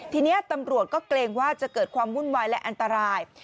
ทีนี้ตำรวจก็เกรงว่าจะเกิดความวุ่นวายและอันตราย